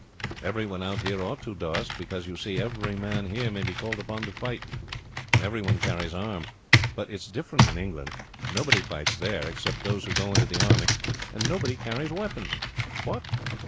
"Everyone out here ought to, Doast, because, you see, every man here may be called upon to fight, and everyone carries arms. But it is different in England. Nobody fights there, except those who go into the army, and nobody carries weapons." "What!